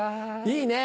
いいね。